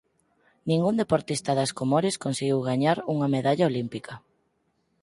Ningún deportista das Comores conseguiu gañar unha medalla olímpica.